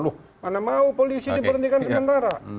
loh mana mau polisi diberhentikan sementara